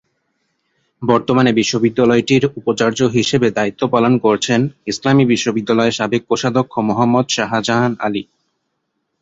বর্তমানে বিশ্ববিদ্যালয়টির উপাচার্য হিসেবে দায়িত্ব পালন করছেন ইসলামী বিশ্ববিদ্যালয়ের সাবেক কোষাধ্যক্ষ মোহাম্মদ শাহজাহান আলী।